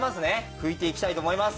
拭いていきたいと思います。